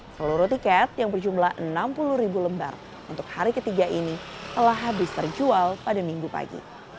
seluruh tiket yang berjumlah enam puluh ribu lembar untuk hari ketiga ini telah habis terjual pada minggu pagi